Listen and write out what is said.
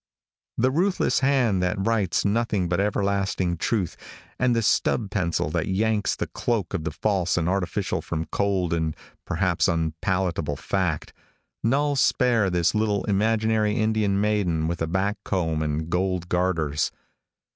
The ruthless hand that writes nothing but everlasting truth, and the stub pencil that yanks the cloak of the false and artificial from cold and perhaps unpalatable fact, null spare this little imaginary Indian maiden with a back comb and gold garters.